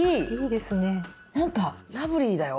なんかラブリーだよ。